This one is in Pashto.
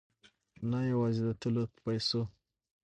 نه یوازې د تېلو په پیسو.